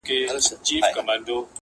شعر ماښامی یو څو روپۍ او سګرټ ،